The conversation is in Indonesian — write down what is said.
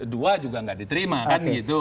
dua juga nggak diterima kan gitu